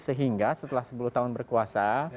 sehingga setelah sepuluh tahun berkuasa